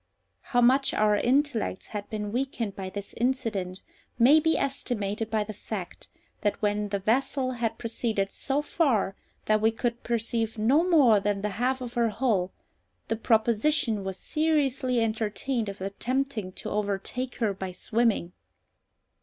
How much our intellects had been weakened by this incident may be estimated by the fact, that when the vessel had proceeded so far that we could perceive no more than the half of her hull, the proposition was seriously entertained of attempting to overtake her by swimming!